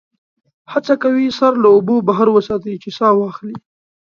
هڅه کوي سر له اوبو بهر وساتي چې سا واخلي.